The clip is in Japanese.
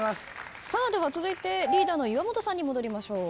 続いてリーダーの岩本さんに戻りましょう。